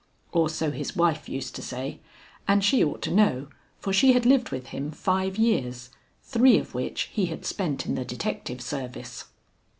Or so his wife used to say, and she ought to know, for she had lived with him five years, three of which he had spent in the detective service.